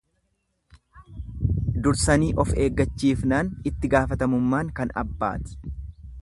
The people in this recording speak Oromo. Dursanii of eeggachiifnaan itti gaafatamummaan kan abbaati.